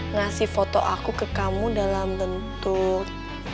ngasih foto aku ke kamu dalam bentuk